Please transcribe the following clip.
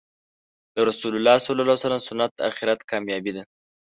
د رسول الله سنت د آخرت کامیابې ده .